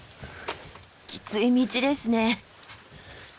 きつい道ですね。